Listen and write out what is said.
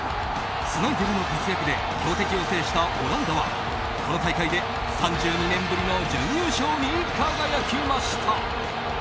スナイデルの活躍で強敵を制したオランダはこの大会で３２年ぶりの準優勝に輝きました。